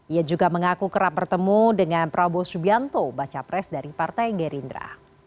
ia juga mengaku kerap bertemu dengan prabowo subianto baca pres dari partai gerindra